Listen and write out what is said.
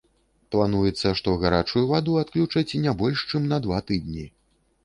Плануецца, што гарачую ваду адключаць не больш чым на два тыдні.